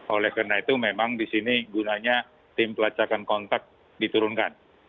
oleh karena itu memang di sini gunanya tim pelacakan kontak diturunkan